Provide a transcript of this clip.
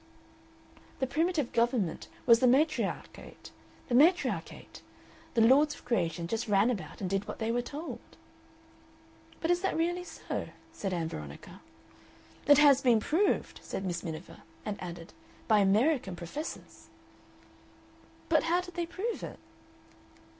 "The primitive government was the Matriarchate. The Matriarchate! The Lords of Creation just ran about and did what they were told." "But is that really so?" said Ann Veronica. "It has been proved," said Miss Miniver, and added, "by American professors." "But how did they prove it?"